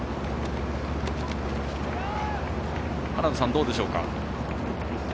花田さん、どうでしょうか。